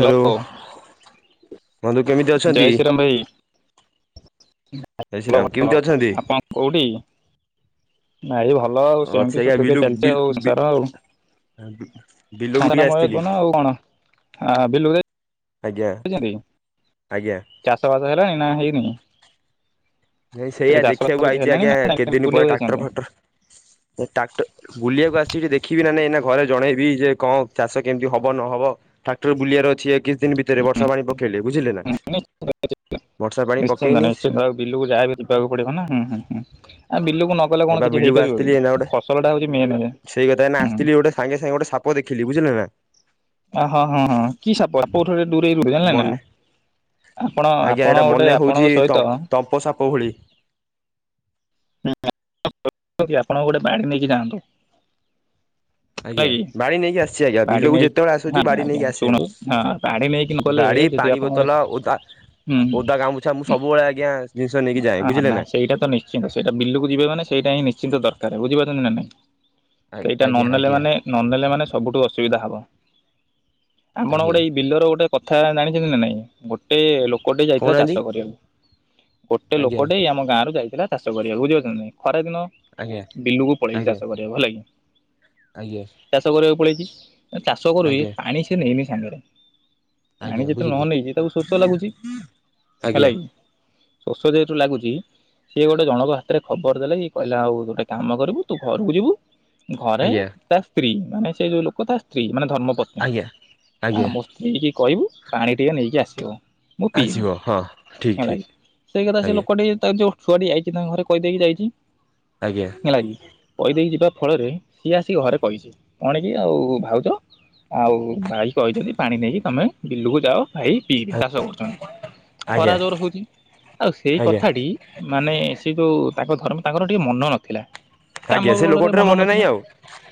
Hello. ବନ୍ଧୁ କେମିତି ଅଛନ୍ତି। ମୁମ୍ବାଇ ଜୟ ଶ୍ରୀରାମ ଭଲ କେମିତି ଅଛନ୍ତି। ଆପଣ କୋଉଠି ଭାଇ ଭଲ ଆଉ ଅଛି ସେମିତି ଆଜ୍ଞା ସୁୁଖି ଦୁଖେ ବିଲୁ ଚାଲିଛି ବିଲୁ ଆଉ ବି ସଂସାର ଆଉ। ବିଲକୁ ସତନା ଟିକେ ମୂଳ ଆସିଥିଲି କହୁନ ଆଉ କଣ ଆ ବିଲକୁ ଆଜ୍ଞା ଯାଇଛନ୍ତି ଆଜ୍ଞା। ଚାଷ ବାସ ହେଲାନଣି ନା ହେଇନି ନାଇଁ ସେଠି ସେଇଆା ଚାଷ ବାସ ଦେଖିବାକୁ କିଛି ଆଇଛି ହେଲାଣି ଆଜ୍ଞା ନା କେତେ ନାଇଁ ଦିନ ପରେ ବୁଲିବାକୁ ଟ୍ରାକ୍ଟର ଯାଇଛନ୍ତି? ଫାକ୍ଟର ଟ୍ରାକ୍ଟର ବୁଲିବାକୁ ଆସିଛି ଦେଖିବି ନା ନାଇଁ ନା ଘରେ ଜଣେଇବି ଯେ କଣ ଚାଷ କେମିତି ହବ ନହବ ଟ୍ରାକ୍ଟର ବୁଲିବାର ଅଛି ଏଇ କିଛି ଦିନ ଭିତରେ ବର୍ଷା ପାଣି ହବ ବୁଝିଲେ। ନା। ନିହାତି ନାଁଇ ବର୍ଷା ପାଣି ନିଶ୍ଚିନ୍ତ ପକେଇନି ନିଶ୍ଚିନ୍ତ ଆଉ ବିଲୁକୁ ଯାହାବି ଜିବା କୁ ପଡିବ ନା ହଁ ହୁଁ ହୁଁ ଆଉ ବିଲକୁ ନଗଲେ କଣ ଏବା କିଛି ବିଲୁକୁ ହେଇପାରିବ ଆସିଥିଲି ଏଇନା କି ଗୋଟେ ଫସଲ ଟା ହଉଛି ମେନ ସେଇ କଥା ଏଇନା ଆସିଥିଲି ଗୋଟେ ସାଙ୍ଗେ ସାଙ୍ଗେ ଗୋଟେ ସାପ ଦେଖିଲି ବୁଝିଲ ନା। ଅ ହଁ ହଁ ହଁ କି ସାପ ସାପଠୁ ଟିକେ ଦୂରେଇ ରହ ଜାଣିଲ ନା। ମନେ ଆପଣ ଆପଣ ଗୋଟେ ଆପଣଙ୍କ ସହିତ କେଉ ସାପ ଭଳି। [inaudible] ଆପଣ ଗୋଟେ ବାଡି ନେଇକି ଯାଆନ୍ତୁ। ହେଲା ଆଜ୍ଞା କି ବାଡି ନେଇକି ଆସିଛି ଆଜ୍ଞା ଗାଡି ବିଲକୁ ନେଇକି ଯେତେବେଳେ ହଁ ଆସୁଛି ଆଜ୍ଞା ବାଡି ଆଜ୍ଞା ନେଇକି ଆସେ ଶୁଣ ମୁଁ। ହଁ ଗାଡି ନେଇକି ନ ଗଲେ ବାଡି, ଯଦି ପାଣି ଆପଣ ଗୋଟେ ବୋତଲ ଓଦା ହୁଁ ଓଦା ଗାମୁଛା ମୁଁ ସବୁବେଳେ ଆଜ୍ଞା ଜିନିଷ ନେଇକି ଯାଏ ହଁ ବୁଝିଲେ ନାଇଁ ନା। ସେଇଟା ତ ନିଶ୍ଚିନ୍ତ ସେଇଟା ବିଲକୁ ଯିବେ ମାନେ ସେଇଟା ହିଁ ନିଶ୍ଚିନ୍ତ ଦରକାର ବୁଝିପାରୁଛନ୍ତି ନା ନାଇଁ ସେଇଟା ଆଜ୍ଞା ନନେଲେ ଆଜ୍ଞା ମାନେ ନନେଲେ ମାନେ ସବୁଠୁ ଅସୁବିଧା ହବ ଆମର ଆଜ୍ଞା ଗୋଟେ ଏଇ ବିଲର ଗୋଟେ କଥା ଜାଣିଛନ୍ତି ନା ନାଇଁ? ଗୋଟେ ଲୋକ ଟେ ଯାଇଥିଲା ଚାଷ କହୁନାହାନ୍ତି କରିବାକୁ, ଗୋଟେ ଆଜ୍ଞା ଲୋକଟେ ଆମ ଗାଁରୁ ଯାଇଥିଲା ଚାଷ କରିବାକୁ ବୁଝିପାରୁଛନ୍ତି ନାଇଁ ଖରା ଦିନ ଆଜ୍ଞା ବିଲୁକୁ ପଳେଇକି ଆଜ୍ଞା ଚାଷ କରିବାକୁ ହେଲା କି। ଆଜ୍ଞା ଚାଷ କରିବାକୁ ପଳେଇଛି ଚାଷ କରୁଛି ଆଜ୍ଞା ପାଣି ସେ ନେଇନି ସାଙ୍ଗରେ ପାଣି ଆଜ୍ଞା ଯେତେବେଳେ ବୁଝିଲି ନନେଇଛି ତାକୁ ଶୋଷ ଲାଗୁଛି ହେଲା ଆଜ୍ଞା କି। ଶୋଷ ଯେହେତୁ ଲାଗୁଛି ସିଏ ଗୋଟେ ଜଣଙ୍କ ହାତରେ ଖବର ଦେଲା କିି କହିଲା ଆଉ ଗୋଟେ କାମ କରିବୁ ତୁ ଘରକୁ ଯିବୁ ଘରେ ଆଜ୍ଞା ତା ସ୍ତ୍ରୀ ମାନେ ସେ ଯୋଉ ଲୋକ ତା ସ୍ତ୍ରୀ ମାନେ ଧର୍ମ ପତ୍ନୀ, ଆଜ୍ଞା ଆ ଆଜ୍ଞା ମୋ ସ୍ତ୍ରୀ କି କହିବୁ ପାଣି ଟିକେ ନେଇକି ଆସିବ। ମୁଁ ପିଇବି ଆସିବ ହଁ ଠିକ ହେଲା ଠିକ କି, ସେଇ କଥା ସେ ଆଜ୍ଞା ଲୋକଟି ତା ଯୋଉ ଛୁଆଟି ଯାଇଛି ତାଙ୍କ ଘରେ କହିଦେଇକି ଯାଇଛି। ଆଜ୍ଞା। ହେଲାକି କହି ଦେଇକି ଯିବା ଫଳରେ ସିଏ ଆସିିକି ଘରେ କହିଛି କଣ କି ଆଉ ଭାଉଜ ଆଉ ଭାଇ କହିଛନ୍ତି ପାଣି ନେଇକି ତମେ ବିଲୁକୁ ଯାଅ ଭାଇ ପିଇବେ ଚାଷ କରୁଛନ୍ତି। ଖରା ଆଜ୍ଞା ଜୋର ହଉଛି ଆଉ ସେଇ ଆଜ୍ଞା କଥାଟି ମାନେ ସେ ଯୋଉ ତାଙ୍କ ଧର୍ମ ତାଙ୍କର ଟିକେ ମନ ନଥିଲା ଆଜ୍ଞା କାମ ସେ ବଳରେ ଲୋକଟାର ମନ ମନେ ନାହିଁ ନଥିଲା। ଆଉ।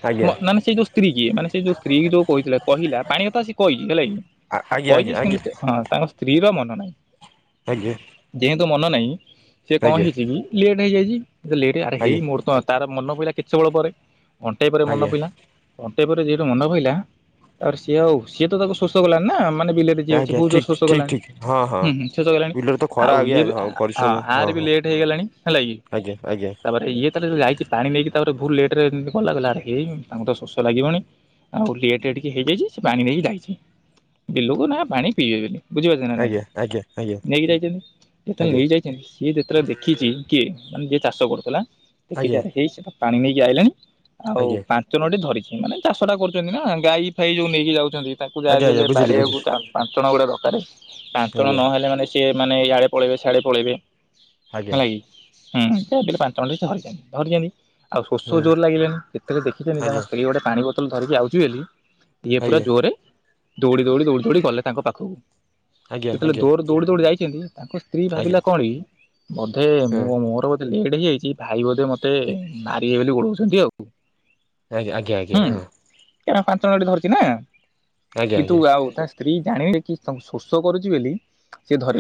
ଆଜ୍ଞା ମାନେ ସେ ଯୋଉ ସ୍ତ୍ରୀ କିଏ ମାନେ ସେ ଯୋଉ ସ୍ତ୍ରୀ କି ଯୋଉଥିଲେ କହିଲା ପାଣି କଥା ସେ କହିଛି ହେଲା କିି। ଆଜ୍ଞ ଆଜ୍ଞା ଆଜ୍ଞା। ହଁ ତାଙ୍କ ସ୍ତ୍ରୀ ର ମନ ନାହିଁ। ଆଜ୍ଞା। ଯେହେତୁ ମନ ନାହିଁ ସେ କଣ ଆଜ୍ଞା ହେଇଛି କି ଲେଟ୍ ହେଇଯାଇଛି ଲେଟ୍ ଆରେ ହେଇ ଆଜ୍ଞା ମୋର ତ ତାର ମନ ପଇଲା କେତେ ବଳ ପରେ। ଘଣ୍ଟେଇ ପରେ ମନ ଆଜ୍ଞା ପଇଲା। ଘଣ୍ଟେ ପରେ ଯହେତୁ ମନେ ପଇଲା ତାପରେ ସିଏ ଆଉ ସିଏ ତ ତାକୁ ଶୋଷ କଲାଣି ନା ମାନେ ବିଲେ ଯିଏ ଅଛି ଆଜ୍ଞା ବହୁତ ଜୋର ଠିକ ଶୋଷ ଠିକ କଲାଣି ଠିକ ହଁ ହଁ ହୁଁ ଶୋଷ କଲାଣି ବିଲରେ ତ ଖରା ଆଉ ଆଜ୍ଞା ଇଏବି ହଁ ଆ ପରିଶ୍ରମ ହଁ। ଆର ବି ଲେଟ୍ ହେଇଗଲାଣି ହେଲା କି ଆଜ୍ଞା ଆଜ୍ଞା ପରେ ଇଏ ତାଲେ ଯାଇଛି ପାଣି ନେଇକି ତାପରେ ବହୁତ ଲେଟ ରେ ଗଲାଗଲାରେଇ ତାଙ୍କୁ ତ ଶୋଷ ଲାଗିବଣି? ଆଉ ଲେଟ ଟିକେ ହେଇଯାଇଛି ସେ ପାଣି ନେଇକି ଯାଇଛି ବିଲକୁ ନା ପାଣି ପିଇବେ ବୋଲି। ବୁଝିପାରୁଛେ ନା ନାଇଁ ଆଜ୍ଞା ଆଜ୍ଞା ଆଜ୍ଞା ନେଇକି ଯାଇଛନ୍ତି ଯେତେବେଳେ ଆଜ୍ଞା ନେଇକି ଯାଇ ସିଏ ଯେତେବେଳେ ଦେଖିଛି କିଏ ମାନେ ଯିଏ ଚାଷ କରୁଥିଲା ଦେଖିଛି ଆଜ୍ଞା ଆରେ ହେଇ ସେଟ ପାଣି ନେଇକି ଆଇିଲଣି ଆଉ ଆଜ୍ଞା ପାଞ୍ଚ ଚନଟେ ଧରିଛି ମାନେ ଚାଷଟା କରୁଛନ୍ତି ନା ଗାଈ ଫାଇ ଯୋଉ ନେଇକି ଯାଉଛନ୍ତି ତାଙ୍କୁ ଯାହା ଆଜ୍ଞା ବି ଆଜ୍ଞା ହେଲେ ବୁଝିଲି ବାଡ଼ିିଆକୁ ବୁଝିଲି ପାଞ୍ଚଣ ଗୁଟେ ଦରକାର ପାଞ୍ଚଣ ଆଜ୍ଞା ନହେଲେ ମାନେ ସିଏ ମାନେ ଇଆଡ଼େ ପଳେଇବେ ସିଆଡ଼େ ପଳାଇବେ। ଆଜ୍ଞା ହେଲା କି ପାଞ୍ଚଣ ଟେ ସେ ଧରିଚନ୍ତି ଧରିଚନ୍ତି। ଆଉ ଶୋଷ ହୁଁ ଜୋର ଲାଗିଲାଣି ଯେତେବେଳେ ଦେଖିେଛନ୍ତି ତାଙ୍କ ଆଜ୍ଞା ସ୍ତ୍ରୀ ଗୋଟେ ପାଣି ବୋତଲ ଧରିକି ଆଉଛି ବୋଲି ଇଏ ପୁରା ଆଜ୍ଞା ଜୋରରେ ଦୌଡ଼ି ଦୌଡ଼ି ଦୌଡ଼ି ଦୌଡ଼ି ଗଲେ ତାଙ୍କ ପାଖକୁ। ଆଜ୍ଞା ଯେତେବେଳେ ଆଜ୍ଞା ଜୋରେ ଦୌଡି ଦୌଡି ଯାଇଛନ୍ତି ତାଙ୍କ ସ୍ତ୍ରୀ ଆଜ୍ଞା ଭାବିଲା କଣ କି ବୋଧେ ହଁ ମୁଁ ମୋର ଲେଟ୍ ହେଇଯାଇଛି ଭାଇ ବୋଧେ ମତେ ମାରିବେ ବୋଲି ଗୋଡଉଛନ୍ତି ଆଉ। ଆଜ୍ଞା ଆଜ୍ଞା ଆଜ୍ଞା ହୁଁ ହଁ! ପାଞ୍ଚ ମିନିଟ୍ ଧରିଛି ନା ଆଜ୍ଞା କିନ୍ତୁ ଆଜ୍ଞା ଆଉ ସ୍ତ୍ରୀ ଜାଣିଲେ କି ତାଙ୍କୁ ଶୋଷ କରୁଛି ବୋଲି।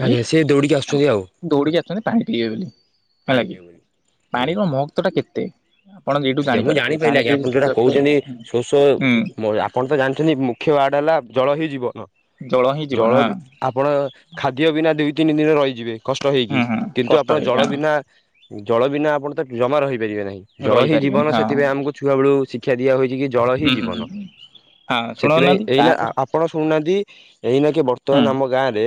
ଆଜ୍ଞା ସେଏ ଦୌଡ଼ିକି ଆସୁଛନ୍ତି ଆଉ। ଦୌଡ଼ିିକି ଆସୁଛନ୍ତି ପାଣି ପିଇବେ ବୋଲି ପାଣି ହେଲା କି ପିଇବେ ବୋଲି ଆଜ୍ଞା ପାଣିର ମହତ୍ଵ ଟା କେତେ। ଆପଣ ଏଇଠୁ ଆଜ୍ଞା ମୁଁ ଜାଣିପାରୁଥିବେ ଜାଣିପାରିଲି ଆଜ୍ଞା ପାଣିରେ ଆପଣ ଯୋଉଟା ଯେତେ କହୁଛନ୍ତି ଶୋଷ ହୁଁ ଆପଣ ତ ଜାଣିଛନ୍ତି ମୁଖ୍ୟ ୱାର୍ଡ ହେଲା ଜଳ ହିଁ ଜୀବନ ହିଁ ଜଳ ଜୀବନ ହଁ ଆପଣ ଖାଦ୍ୟ ବିନା ଦୁଇ ତିନି ଦିନ ରହିଯିବେ କଷ୍ଟ ହେଇକି। ହୁଁ ହୁଁ କିନ୍ତୁ କଷ୍ଟ ଆପଣ ହେଇ ଜଳ ହଁ ବିନା ଜଳ ବିନା ଆପଣ ତ ଜମା ରହିପାରିବେ ନାହିଁ ଜଳ ହେଇ ରହିପାରିବେନି ଜୀବନ ହଁ ସେଥିପାଇଁ ଆମକୁ ଛୁଆବେଳୁ ଶିକ୍ଷା ଦିଆ ହୋଇଛି କି ଜଳ ହଁ ହୁଁ ହୁଁ ଜୀବନ। ହୁଁ ହଁ ସେଥିପାଇଁ ଶୁଣଉନାହାନ୍ତି ଏଇନା ତାପରେ ଆପଣ ଶୁଣୁନାହାନ୍ତି ଏଇନାକେ ହୁଁ ବର୍ତ୍ତମାନ ଆମ ଗାଁ ରେ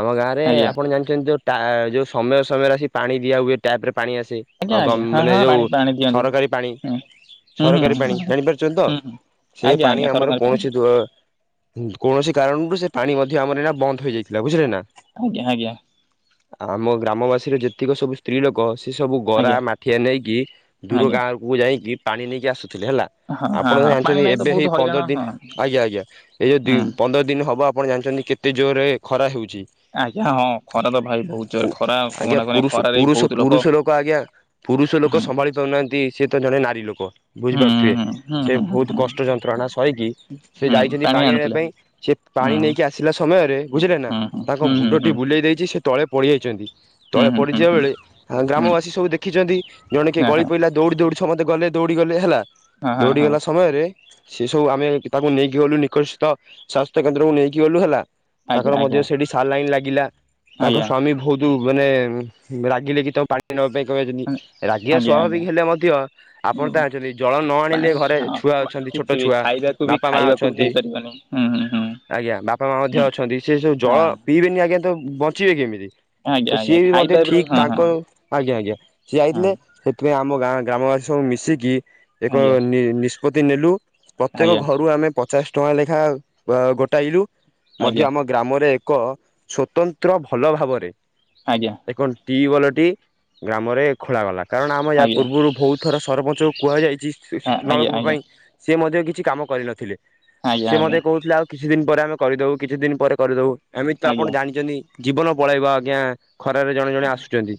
ଆମ ଗାଁ ରେ ଆଜ୍ଞା ଆପଣ ଜାଣିଛନ୍ତି ଯୋଉ ଟା ଯୋଉ ସମୟ ସମୟରେ ଆସିିକି ପାଣି ଦିଆ ହୁଏ ଟ୍ୟାପ ରେ ପାଣି ଆସେ ଆଜ୍ଞା ଗ ଆଜ୍ଞା ହଁ ମାନେ ହଁ ପାଣି ଯୋଉ ପାଣି ଦିଅନ୍ତି ସରକାରୀ ପାଣି। ହୁଁ ହୁଁ ହୁଁ ସରକାରୀ ହୁଁ ପାଣି ଜାଣିପାରୁଛନ୍ତି ତ? ହୁଁ ହୁଁ ସେ ଆଜ୍ଞା ଆଜ୍ଞା ପାଣି ଆମର ସରକାରୀ ପାଣି କୌଣସି ଦୁ କୌଣସି କାରଣରୁ ସେ ପାଣି ମଧ୍ୟ ଆମର ବନ୍ଦ ହେଇଯାଇଥିଲା ବୁଝିଲେ ନା? ଆଜ୍ଞା ଆଜ୍ଞା। ଆମ ଗ୍ରାମବାସୀର ଯେତିକି ସବୁ ସ୍ତ୍ରୀ ଲୋକ ସେ ସବୁ ଗରା, ଆଜ୍ଞା ମାଠିଆ ନେଇକି ଦୂର ଆଜ୍ଞା ଗାଁ କୁ ଯାଇକି ପାଣି ନେଇକି ଆସୁଥିଲେ ହେଲା। ହଁ ହଁ ଆପଣ ହଁ ପାଣି ଜାଣିଛନ୍ତି ନାଇଁ ତ ଏବେ ବହୁତ ହେଇ ହଇରାଣ ପନ୍ଦର ହଁ ଦିନ ଆଜ୍ଞା ଆଜ୍ଞା ଏଇ ହୁଁ ଯୋଉ ପନ୍ଦର ଦିନ ହବ ଆପଣ ଜାଣିଛନ୍ତି କେତେ ଜୋରରେ ଖରା ହେଉଛି। ଆଜ୍ଞା ହଁ ଖରା ତ ଭାଇ ବହୁତ ପୁ ଜୋର ଖରା ଆଜ୍ଞା କହନା କହନା ପୁରୁଷ ଖରାରେ ବି ପୁରୁଷ ବହୁତ ଲୋକ ପୁରୁଷ ଲୋକ ଆଜ୍ଞା ପୁରୁଷ ଲୋକ ହୁଁ ସମ୍ଭାଳି ପାରୁନାହାନ୍ତି ସେ ତ ଜଣେ ନାରୀ ଲୋକ। ହୁଁ ବୁଝିପାରୁଥିବେ ହୁଁ ହୁଁ ସେ ହୁଁ ବହୁତ ହୁଁ କଷ୍ଟ ଯନ୍ତ୍ରଣା ସହିକି ସେ ହୁଁ ଯାଇଛନ୍ତି ପାଣି ଆଣିବା ଆଣୁଥିଲେ ପାଇଁ ସେ ହୁଁ ପାଣି ନେଇକି ଆସିଲା ସମୟରେ ବୁଝିଲେ ନା? ହୁଁ ତାଙ୍କ ହୁଁ ହୁଁ ହୁଁ ମୁଣ୍ଡ ହୁଁ ହୁଁ ବୁଲେଇ ଦେଇଛି ସେଠ ତଳେ ପଡିଯାଇଛନ୍ତି। ତଳେ ହୁଁ ହୁଁ ପଡିଯିବା ହୁଁ ବେଳେ ହୁଁ ଗ୍ରାମବାସୀ ସବୁ ଦେଖିଛନ୍ତି ଜଣେ କିଏ ହଁ ଗଳି ହଁ ଦୌଡି ଦୌଡି ସମସ୍ତେ ଗଲେ ଦୌଡି ଗଲେ ହେଲା। ହଁ ହଁ ଦୌଡି ହଁ ଗଲା ସମୟରେ ସେ ସବୁ ଆମେ ତାକୁ ନେଇକି ଗଲୁ ନିକଟଥ ସ୍ଵାସ୍ଥ୍ୟ କେନ୍ଦ୍ରକୁ ନେଇକି ଗଲୁ ହେଲା। ଆଜ୍ଞା ତାଙ୍କର ମଧ୍ୟ ଆଜ୍ଞା ସେଠି ସାଲାଇନ୍ ଲାଗିଲା ତାଙ୍କ ଆଜ୍ଞା ସ୍ଵାମୀ ବହୁତ ମାନେ ରାଗିଲେ କି ତମେ ପାଣି ନବା ପାଇଁ କହିଛନ୍ତି ରାଗିବା ଆଜ୍ଞା ସ୍ୱାଭାବିକ ଆଜ୍ଞା ହେଲେ ମଧ୍ୟ ଆପଣ ହୁଁ ଜଣିଛନ୍ତି ଜଳ ନ ଆଣିଲେ ପାଣି ଘରେ ହଁ ଛୁଆ ଅଛନ୍ତି ଛୋଟ କିଛି ବି ଛୁଆ ଖାଇବାକୁ ବି ବାପା ମା ଖାଇବାକୁ ବି ଅଛନ୍ତି ହେଇ ପାରିବନି। ହୁଁ ହୁଁ ହୁଁ। ଆଜ୍ଞା ବାପା ମା ମଧ୍ୟ ହଁ ଅଛନ୍ତି ସେ ସବୁ ଜଳ ପିଇବେନି ଆଜ୍ଞା ତ ବଞ୍ଚିବେ କେମିତି? ଆଜ୍ଞା ତ ଆଜ୍ଞା ସିଏ ବି ମଧ୍ୟ ଖାଇପାରିବନି ଠିକ ହଁ ହଁ ହଁ ତାଙ୍କର ଆଜ୍ଞା ଆଜ୍ଞା ସିଏ ଯାଇଥିଲେ ସେଥିପାଇଁ ଆମ ଗାଁ ଗ୍ରାମବାସୀ ସବୁ ମିଶିକି ଏକ ଆଜ୍ଞା ନିଷ୍ପତି ନେଲୁ ପ୍ରତ୍ୟେକ ଆଜ୍ଞା ଘରୁ ଆମେ ପଚାଶ ଟଙ୍କା ଲେଖାଏ ଗୋଟାଇଲୁ ମଧ୍ୟ ଆଜ୍ଞା ଆମ ଗ୍ରାମରେ ଏକ ସ୍ଵତନ୍ତ୍ର ଭଲ ଭାବରେ ଆଜ୍ଞା ଏକ ଟିୱଲ ଟି ଗ୍ରାମରେ ଖୋଳାଗଲା କାରଣ ଆମ ୟା ଆଜ୍ଞା ପୂର୍ବରୁ ବହୁତ ଥର ସରପଞ୍ଚଙ୍କୁ କୁହାଯାଇଛି। ନଳ ଆଜ୍ଞା କୂପ ଆଜ୍ଞା ପାଇଁ ସେ ମଧ୍ୟ କିଛି କାମ କରିନଥିଲେ ଆଜ୍ଞା ଆଜ୍ଞା ସେ ମଧ୍ୟ କହୁଥିଲେ ଆଉ କିଛି ଦିନ ପରେ ଆମେ କରିଦଉ କିଛି ଦିନ ପରେ କରିଦଉ ଏମିତି ତ ଆପଣ ଆଜ୍ଞା ଜାଣିଛନ୍ତି ଜୀବନ ପଳେଇବ ଆଜ୍ଞା। ଖରାରେ ଜଣେ ଜଣେ ଆସୁଛନ୍ତି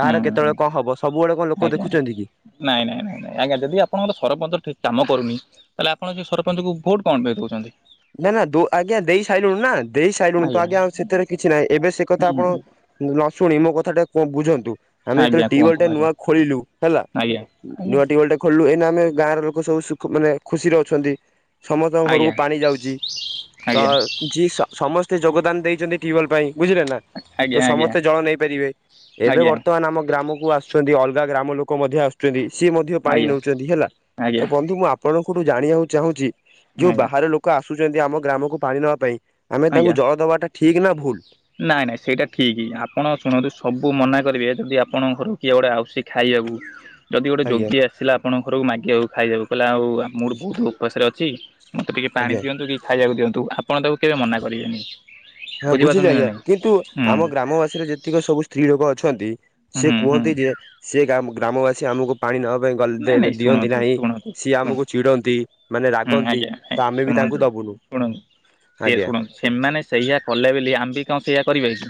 କାହାର ହୁଁ କେତେବେଳେ ହୁଁ କଣ ହବ ସବୁବେଳେ କଣ ଲୋକ ଆଜ୍ଞା ଦେଖୁଛନ୍ତି କି? ନାଇଁ ନାଇଁ ନାଇଁ ନାଇଁ ଆଜ୍ଞା ଯଦି ଆଣଙ୍କର ସରପଞ୍ଚର ଠିକ କାମ କରୁନି। ତାହେଲେ ଆପଣ ସେ ସରପଞ୍ଚଙ୍କୁ ଭୋଟ କଣ ପାଇଁ ଦଉଛନ୍ତି? ନା ନା ଆଜ୍ଞା ଦେଇ ସାଇଲୁଣି ନା ଦେଇ ସାଇଲୁଣି ତ ଆଜ୍ଞା ସେଥିରେ କିଛି ନାହିଁ ଏବେ ସେ କଥା ଆପଣ ହୁଁ ନ ଶୁଣି ମୋ କଥା ଟା କୁ ବୁଝନ୍ତୁ। ଆମେ ଯେତେବେଳେ ଆଜ୍ଞା ଟିୱେଲ କୁହନ୍ତୁ ଟା ନୂଆ ଖୋଳିଲୁ ହେଲା ଆଜ୍ଞା ଆଜ୍ଞା ନୂଆ ଖୋଳିଲୁ ଏଇନା ଆମେ ଗାଁ ର ଲୋକ ସବୁ ଖୁ ମାନେ ଖୁସିରେ ଅଛନ୍ତି ସମସ୍ତଙ୍କ ଆଜ୍ଞା ଘରକୁ ପାଣି ଯାଉଛି ତ ଆଜ୍ଞା ଯି ସମସ୍ତେ ଯୋଗଦାନ ଦେଇଛନ୍ତି ଟିଓଲ ପାଇଁ ବୁଝିଲେ ନା। ତ ଆଜ୍ଞା ଆଜ୍ଞା ସମସ୍ତେ ଜଳ ନେଇ ପାରିବେ। ଏବେ ଆଜ୍ଞା ବର୍ତ୍ତମାନ ଆମ ଗ୍ରାମକୁ ଆସୁ ଛନ୍ତି ଅଲଗା ଗ୍ରାମ ଲୋକ ମଧ୍ୟ ଆସୁଛନ୍ତି ସିଏ ମଧ୍ୟ ପାଣି ଆଜ୍ଞା ନେଉଛନ୍ତି ହେଲା। ତ ଆଜ୍ଞା ଆଜ୍ଞା ଆଜ୍ଞା ବନ୍ଧୁ ମୁଁ ଆପ୍ ଆପଣଙ୍କଠୁ ଜାଣିବାକୁ ଚାହୁଁଛି ଯୋଉ ବାହାର ଲୋକ ଆସୁଛନ୍ତି ଆମ ଗ୍ରାମକୁ ପାଣି ନବା ପାଇଁ ଆମେ ତାଙ୍କୁ ଆଜ୍ଞା ଜଳ ଦବାଟା ଠିକ ନା ଭୁଲ? ନାଇଁ ନାଇଁ ସେଇଟା ଠିକି ଆପଣ ଶୁଣନ୍ତୁ ସବୁ ମନା କରିବେ ଯଦି ଆପଣଙ୍କ ଘରକୁ କିଏ ଗୋଟେ ଆଉଚି ଖାଇଆବୁ। ଯଦି ଗୋଟେ ଆଜ୍ଞା ଯୋଗୀ ଆସିଲା ଆପଣଙ୍କ ଘରକୁ ମାଗିବାକୁ ଖାଇବାକୁ କହିଲା ଆଉ ଆମ ମୋର ବହୁତ ଉପାସରେ ଅଛି ମତେ ଟିକେ ପାଣି ଆଜ୍ଞା ଦିଅନ୍ତୁ କି ଖାଇବାକୁ ଦିଅନ୍ତୁ ଆପଣ ତାକୁ କେବେ ମନା କରିବେନି। ହଁ ବୁଝିଲି ବୁଝିପାରୁଛନ୍ତି ନା ଆଜ୍ଞା ନାଇଁ କିନ୍ତୁ ହୁଁ ଆମ ଗ୍ରାମବାସୀରେ ଯେତିକି ସବୁ ସ୍ତ୍ରୀ ଲୋକ ଅଛନ୍ତି। ସେ ହୁଁ ହୁଁ କୁହନ୍ତି ଯେ ସେ ଗ୍ରା ଗ୍ରାମବାସୀ ଆମକୁ ପାଣି ନବା ପାଇଁ ଗଲେ ନାଇଁ ଦେ ନାଇଁ ଦିଅନ୍ତି ଶୁଣନ୍ତୁ ନାହିଁ ଶୁଣନ୍ତୁ ସିଏ ଶୁଣ ଆମକୁ ଚିଡନ୍ତି। ମାନେ ହୁଁ ରାଗନ୍ତି ଆଜ୍ଞା ତ ଆମେ ବି ଶୁଣନ୍ତୁ ତାଙ୍କୁ ଦବୁନୁ ଶୁଣନ୍ତୁ ସେ ଆଜ୍ଞା। ଶୁଣନ୍ତୁ ସେମାନେ ସେଇଆ କଲେ ବୋଲି ଆମ୍ ବି କଣ ସେଇଆ କରିବେ କି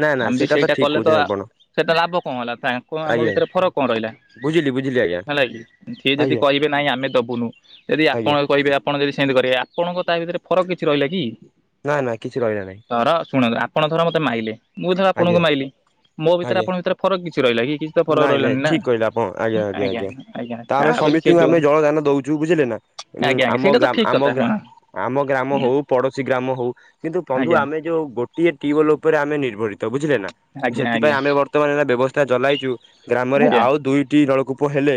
ନା ନା ଆମ ବି ସେଇଟା ଠିକ କଲେ କହୁଛନ୍ତି ତ ଆପଣ। ସେଇଟା ଲାଭ କଣ ହେଲା ତାଙ୍କ ଆମ ଆଜ୍ଞା ଭିତରେ ଫରକ କଣ ରହିଲା। ବୁଝିଲି ବୁଝିଲି ଆଜ୍ଞା। ହେଲା କି ସିଏ ଯଦି ଆଜ୍ଞା କହିବେ ନାଇଁ ଆମେ ଦବୁନୁ। ଯଦି ଆଜ୍ଞା ଆପଣ କହିବେ ଆପଣ ଯଦି ସେମିତି କରିବେ ଆପଣଙ୍କ ତା ଭିତରେ ଫରକ କିଛି ରହିଲା କି? ନା ନା କିଛି ରହିଲା ନାହିଁ ତର ଶୁଣନ୍ତୁ ଆପଣ ଧର ମତେ ମାଇଲେ। ମୁଁ ଧର ଆପଣଙ୍କୁ ଆଜ୍ଞା ମାଇଲି ମୋ ଭିତରେ ଆଜ୍ଞା ଆପଣଙ୍କ ଭିତରେ ଫରକ କିଛି ରହିଲା କି ତ ଫରକ ନାଇଁ ନାଇଁ ରହିଲାନି ନା। ଠିକ କହିଲେ ଆପଣ ହୁଁ ଆଜ୍ଞା ଆଜ୍ଞା ଆଜ୍ଞା ତା ଆମେ ବୋଲି ସେ ସମୀସ୍ତଙ୍କୁ ଯୋଉ ଆମେ ଜଳ ଦାନ ଦଉଛୁ। ଚୁ ବୁଝିଲେ ନା ଆଜ୍ଞା ଆଜ୍ଞା ଆମ ସେଇଟା ତ ଗ୍ରା ଠିକ କଥା ଆମ ହଁ। ଗ୍ରା ଆମ ଗ୍ରାମ ହୁଁ ହଉ ପଡୋଶୀ ଗ୍ରାମ ହଉ କିନ୍ତୁ ବନ୍ଧୁ ଆଜ୍ଞା ଆମେ ଯୋଉ ଗୋଟ୍ ଗୋଟିଏ ଟ୍ୟୁଉବଲ୍ ଉପରେ ଆମେ ନିର୍ଭରୀିତ ବୁଝିଲେ ନା ଆଜ୍ଞା ସେଥିପାଇଁ ଆଜ୍ଞା ଆମେ ବର୍ତ୍ତମାନ ଏ ବ୍ୟବସ୍ଥା ଚଳାଇ ଗ୍ରାମରେ ଆଜ୍ଞା ଆଉ ଦୁଇଟି ନଳକୂପ ହେଲେ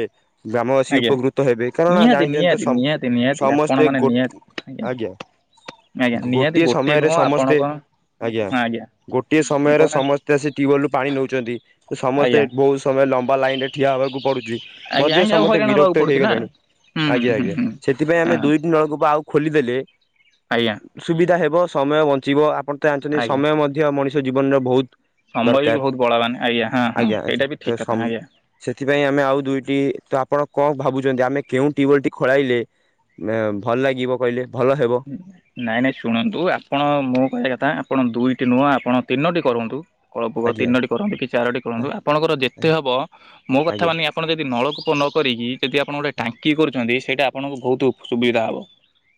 ଗ୍ରାମବାସୀ ଆଜ୍ଞା। ଉପକୃତ ହେବେ କାରଣ ନିହାତି ଜାଣିଛନ୍ତି ତ ନିହାତି ସମ୍ ନିହାତି ନିହାତି ଆପଣ ସମସ୍ତେ ମାନେ ଗୋଟେ ନିହାତି ଆଜ୍ଞା। ଆଜ୍ଞା ନିହାତି ଗୋଟିଏ ଗୋଟେ ସମୟରେ ନୁହଁ ଆପଣ ସମସ୍ତେ କଣ ଆଜ୍ଞା, ଗୋଟିଏ ସମୟରେ କହୁନାହାନ୍ତି ସମସ୍ତେ ଆସି ଟ୍ୟୁବଲ ରୁ ପାଣି ନେଉଛନ୍ତି ସମସ୍ତେ ମତେ ଆଜ୍ଞା ବହୁତ ସମୟ ଲମ୍ବା ଲାଇନରେ ଠିଆ ହେବାକୁ ପଡୁଛି ଆଜ୍ଞା ମଧ୍ୟ ଆଜ୍ଞା ଆଉ ସମଦେ ହଇରାଣ ହବାକୁ ବିରକ୍ତ ପଡୁଛି ନା ହେଇଗଲେଣି ହୁଁ ହୁଁ ଆଜ୍ଞା ହୁଁ ଆଜ୍ଞା ହୁଁ ସେଥିପାଇଁ ଆମେ ହଁ ଦୁଇଟି ନଳକୂପ ଆଉ ଖୋଲିଦେଲେ ଆଜ୍ଞା। ସୁବିଧା ହେବ ସମୟ ବଞ୍ଚିବ ଆପଣ ତ ଜାଣିଛନ୍ତି ଆଜ୍ଞା ସମୟ ମଧ୍ୟ ମଣିଷ ଜୀବନର ବହୁତ ସମୟ ବି ଦରକାର। ବହୁତ ବଳବାନ ଆଜ୍ଞା ହଁ ହଁ ଆଜ୍ଞା ସେଇଟା ବି ତ ଠିକ୍ ସମ କଥା ଆଜ୍ଞା। ସେଥିପାଇଁ ଆମେ ଆଉ ଦୁଇଟି ତ ଆପଣ କଣ ଭାବୁଛନ୍ତି ଆମେ କେଉଁ ଟିିଉବଲ ଟି ଖୋଳାଇଲେ ଭଲ ଲାଗିବ କହିଲେ ଭଲ ହେବ। ନାଇଁ ନାଇଁ ଶୁଣନ୍ତୁ ଆପଣ ମୁଁ କହିବା କଥା ଆପଣ ଦୁଇଟି ନୁହଁ ଆପଣ ତିନୋଟି କରନ୍ତୁ। ନଲକୂପ ଆଜ୍ଞା ତିନୋଟି କରନ୍ତୁ କି ଚାରୋଟି କରନ୍ତୁ ଆପଣଙ୍କର ଯେତେ ହବ ମୋ କଥା ଆଜ୍ଞା। ମାନି ଆପଣ ଯଦି ନଳକୂପ ନ କରିକି ଯଦି ଆପଣ ଗୋଟେ ଟାଙ୍କି କରୁଛନ୍ତି ସେଇଟା ଆପଣଙ୍କୁ ବହୁତ ଉ ସୁବିଧା ହବ।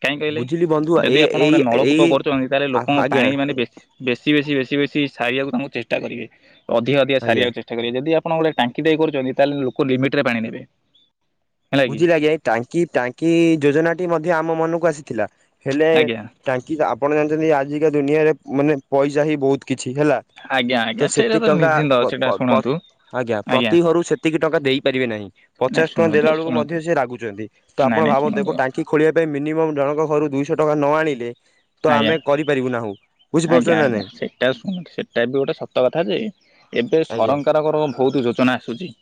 କାହିଁକି କହିଲେ ବୁଝିଲି ବନ୍ଧୁ ଯଦି ଏଇ ଆପଣ ଗୋଟେ ଏଇ ଏଇ ନଳକୂପ କରୁଛନ୍ତି ତାହେଲେ ଲୋକଙ୍କ ଆଜ୍ଞା ପାଣି ମାନେ ବେଶୀ ବେଶୀ ବେଶୀ ବେଶୀ ବେଶୀ ସାରିବାକୁ ତାଙ୍କୁକୁ ଚେଷ୍ଟା କରିବେ ଅଧିକା ଅଧିକା ଆଜ୍ଞା। ସାରିବାକୁ ଚେଷ୍ଟା ଯଦି ଆପଣ ଗୋଟେ ଟାଙ୍କି ଦେଇଛନ୍ତି ତାହେଲେ ଲୋକ ଲିମିଟ୍ ରେ ପାଣି ନେବେ। ହେଲା କି ବୁଝିଲି ଆଜ୍ଞା ଟାଙ୍କି ଟାଙ୍କି ଯୋଜନା ଟି ମଧ୍ୟ ଆମ ମନକୁ ଆସିଥିଲା ହେଲେ ଆଜ୍ଞା ଟାଙ୍କି ଆପଣ ଜାଣିଛନ୍ତି ଆଜିକା ଦୁନିଆରେ ମାନେ ପଇସା ହି ବହୁତ କିଛି ହେଲା। ଆଜ୍ଞା ଆଜ୍ଞା ତ ସେଇଟା ସେତେକି ଟଙ୍କା ନିଶ୍ଚିନ୍ତ ପ ସେଇଟା ପ ପ ଶୁଣନ୍ତୁ ଆଜ୍ଞା, ପ୍ରତି ଘରୁ ସେତିକି ଟଙ୍କା ଦେଇପାରିବେ ନାହିଁ ନାଇଁ ପଚାଶ ଟଙ୍କା ଶୁଣନ୍ତୁ ଦେଲା ବେଳକୁ ଶୁଣନ୍ତୁ ମଧ୍ୟ ସେ ରାଗୁଛନ୍ତି। ତ ନାଇଁ ଆପଣ ନାଇଁ ଶୁଣନ୍ତୁ ଭାବନ୍ତୁ ଟାଙ୍କି ଖୋଳିବା ମିନିମମ୍ ଜଣଙ୍କ ଘରୁ ଦୁଇଶହ ଟଙ୍କା ନ ଆଣିଲେ ତ ଆଜ୍ଞା ଆମେ କରିପାରିବୁ ନାହୁ ଆଜ୍ଞା ଆଜ୍ଞା ସେଇଟା ଶୁଣନ୍ତି ସେଟା ବି ଗୋଟେ ସତ କଥା ଯେ ଏବେ ଆଜ୍ଞା ସରକାରଙ୍କର ବହୁତ ଯୋଜନା ଆସୁଛି।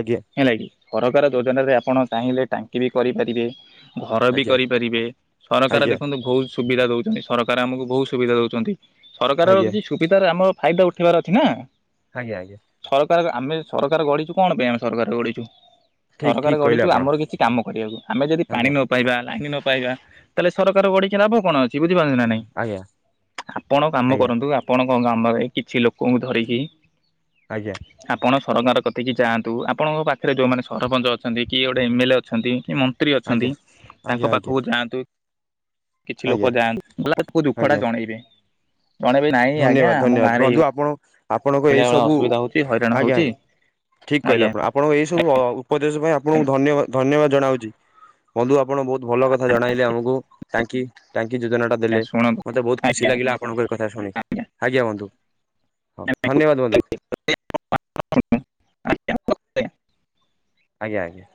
ଆଜ୍ଞା। ହେଲାକି ସରକାର ଯୋଜନାରେ ଆପଣ ଚାହିଁଲେ ଟାଙ୍କି ବି କରିପାରିବେ। ଘର ବି ଆଜ୍ଞା କରିପାରିବେ ସରକାର ଆଜ୍ଞା ଦେଖନ୍ତୁ ବହୁତ ସୁବିଧା ଦଉଛନ୍ତି। ସରକାର ଆମକୁ ବହୁତ ସୁବିଧା ଦଉଛନ୍ତି। ସରକାରର ଆଜ୍ଞା କିଛି ସୁବିଧା ରେ ଆମର ଫାଇଦା ଉଠେଇବାର ଅଛି ନା। ଆଜ୍ଞା ଆଜ୍ଞା। ସରକାର ଆମେ ସରକାର ଗଢିଛୁ, କଣ ପାଇଁ ଆମେ ସରକାର ଗଢିଛୁ? ଠିକ ସରକାର ଠିକ କହିଲେ ଗଢୁଛୁ ଆପଣ ଆମର କିଛି କାମ କରିବାକୁ ଆମେ ଯଦି ପାଣି ଆଜ୍ଞା ନ ପାଇବା ଲାଇନ ନ ପାଇବା ତାହେଲେ ସରକାର ଗଡିକି ଲାଭ କଣ ସି ବୁଝିପାରୁନ୍ତି ନା ନାଇଁ? ଆଜ୍ଞା ଆପଣ କାମ ଆଜ୍ଞା କରନ୍ତୁ ଆ ଆପଣଙ୍କ ଗ୍ରାମରେ କିଛି ଲୋକଙ୍କୁ ଧରିକି ଆଜ୍ଞା। ଆପଣ ସରକାର କତିକିି ଯାଆନ୍ତୁ। ଆପଣଙ୍କ ପାଖରେ ଯୋଉମାନେ ସରପଞ୍ଚ ଅଛନ୍ତି, କି ଗୋଟେ ଏମଲେ ଅଛନ୍ତି, କି ମ ତ୍ରୀ ଆଜ୍ଞା ଅଛନ୍ତି ଆଜ୍ଞା ତାଙ୍କ ଆଜ୍ଞା ପାଖକୁ ଯାଆନ୍ତୁ। କିଛି ଆଜ୍ଞା ଲୋକ ଯାଆନ୍ତି ଦୁଃଖ ଟା ଆଜ୍ଞା ଜଣେଇବେ। ଜଣେଇବେ ନାଇଁ ଧନ୍ୟବାଦ ଆଜ୍ଞା ଆମ ଧନ୍ୟବାଦ ଗାଁରେ ବନ୍ଧୁ ଏଇ ଆପଣ ଆପଣ ଭଳିଆ ଅସୁବିଧା ହଉଛି, ହଇରାଣ ହଉଛି। ଠିକ୍ କହିଲେ ଆଜ୍ଞା। ଆପଣ ଆପଣଙ୍କ ଏଇ ସବୁ ଉପଦେଶ ପାଇଁ ଆପଣଙ୍କୁ ଧନ୍ୟବା ଧନ୍ୟବାଦ ଜଣାଉଛି। ବନ୍ଧୁ ଆପଣ ବହୁତ ଭଲ କଥା ଜଣାଇଲେ ଆମକୁ। ଟାଙ୍କି ଟାଙ୍କି ଯୋଜନା ଟା ଆଜ୍ଞା ଦେଲେ। ଶୁଣନ୍ତୁ ମତେ ବହୁତ ଆଜ୍ଞା ଖୁସି ଲାଗିଲା ଆପଣଙ୍କର କଥା ଶୁଣିି। ଆଜ୍ଞା ବନ୍ଧୁ। ହଉ ଧନ୍ୟବାଦ ବନ୍ଧୁ। ଆଜ୍ଞା [unintelligible] ଆଜ୍ଞା। ଆଜ୍ଞା।